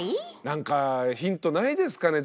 なんかヒントないですかね